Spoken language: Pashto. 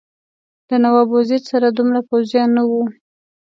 د نواب وزیر سره دومره پوځیان نه وو.